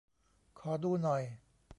ขอดูหน่อย